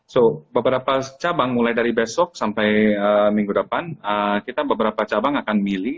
so beberapa cabang mulai dari besok sampai minggu depan kita beberapa cabang akan milih